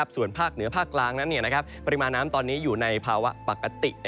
ส่วนภาคเหนือภาคกลางนั้นปริมาณน้ำตอนนี้อยู่ในภาวะปกติ